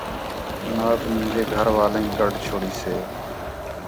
نات مینجے گھر والینک گڈھ چھڑیسے